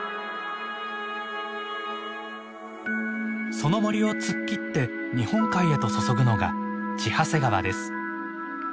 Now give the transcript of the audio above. その森を突っ切って日本海へと注ぐのが千走川です。